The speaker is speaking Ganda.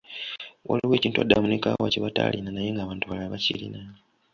Waliwo ekintu Adam ne Kaawa kye batalina naye ng'abantu abalala bakirina.